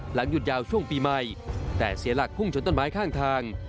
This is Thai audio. หยุดยาวช่วงปีใหม่แต่เสียหลักพุ่งชนต้นไม้ข้างทาง